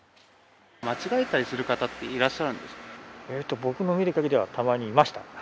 間違えたりする方っていらっ僕の見るかぎりはたまにいました。